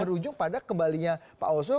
berujung pada kembalinya pak oso